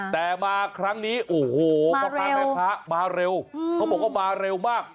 แต่มาครั้งนี้ค่ะมาเร็วเขาบอกว่ามาเร็วมาก